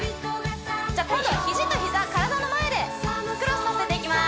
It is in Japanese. じゃあ今度は肘と膝体の前でクロスさせていきます